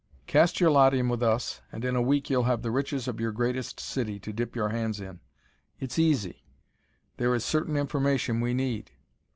Cast your lot in with us, and in a week you'll have the riches of your greatest city to dip your hands in. It's easy. There is certain information we need.